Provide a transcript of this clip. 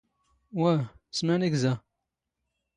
ⵡⴰⵀ! ⵙ ⵎⴰⵏⵉⴽ ⵣⴰ?